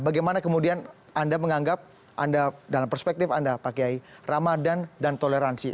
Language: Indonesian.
bagaimana kemudian anda menganggap anda dalam perspektif anda pak kiai ramadan dan toleransi